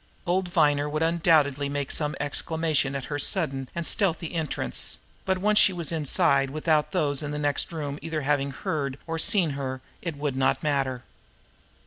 Old Viner would undoubtedly make some exclamation at her sudden and stealthy entrance, but once she was inside without those in the next room either having heard or seen her, it would not matter.